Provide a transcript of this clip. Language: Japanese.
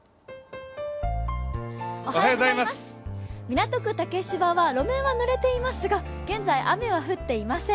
港区竹芝は路面はぬれていますが、現在、雨は降っていません。